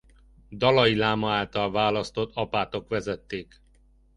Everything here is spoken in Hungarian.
Dalai Láma által választott apátok vezették.